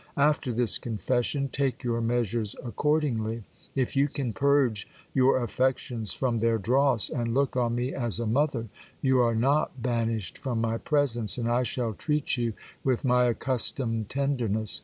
After this confession, take your measures accordingly. If you can purge your affections from their dross, and look on me as a mother, you are not banished from my presence, and I shall treat you with my accustomed tenderness.